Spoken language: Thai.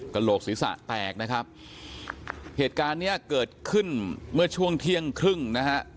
โหลกศีรษะแตกนะครับเหตุการณ์เนี้ยเกิดขึ้นเมื่อช่วงเที่ยงครึ่งนะฮะ